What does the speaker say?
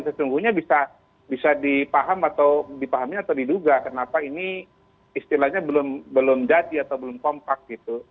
sesungguhnya bisa dipahami atau diduga kenapa ini istilahnya belum dati atau belum kompak gitu